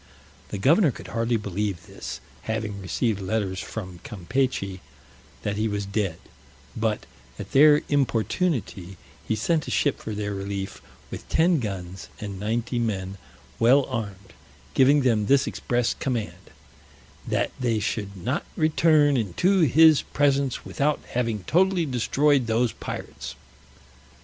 The governor could hardly believe this, having received letters from Campechy that he was dead: but, at their importunity, he sent a ship for their relief, with ten guns and ninety men, well armed; giving them this express command, "that they should not return into his presence without having totally destroyed those pirates."